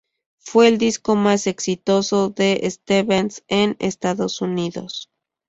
Fue el disco más exitoso de Stevens en Estados Unidos.